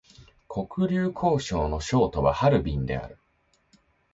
黒竜江省の省都はハルビンである